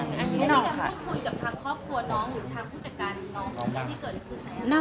อันนี้เราก็คุยกับทางครอบครัวน้องหรือทางผู้จัดการน้องที่เกิดคุยใช่ไหม